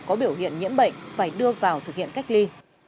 có biểu hiện nhiễm bệnh phải đưa vào thực hiện cách ly